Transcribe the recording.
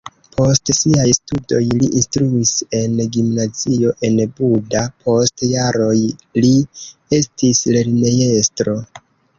Post siaj studoj li instruis en gimnazio en Buda, post jaroj li estis lernejestro.